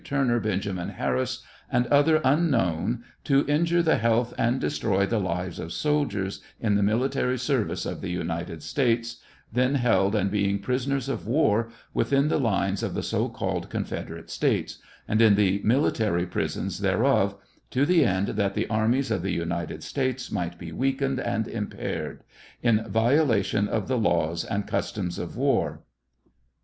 Turner, Benjamin Harris and others unknown, to injure the health and destroy the lives of soldiers in the military service of the United States, then held and being prisoners of war within the lines of the so called Confeder ate States and in the military prisons thereof, to the end that the armies of the United States might be weakened and impaired ; in violation of the laws and customs of war.